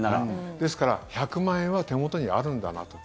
ですから１００万円は手元にあるんだなと。